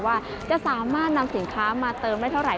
ว่าจะสามารถนำสินค้ามาเติมได้เท่าไห